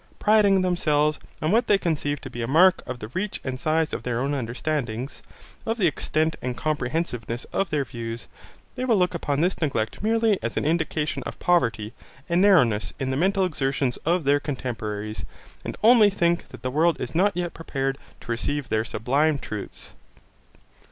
Priding themselves on what they conceive to be a mark of the reach and size of their own understandings, of the extent and comprehensiveness of their views, they will look upon this neglect merely as an indication of poverty, and narrowness, in the mental exertions of their contemporaries, and only think that the world is not yet prepared to receive their sublime truths.